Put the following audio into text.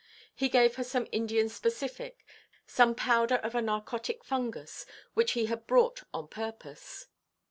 He gave her some Indian specific, some powder of a narcotic fungus, which he had brought on purpose.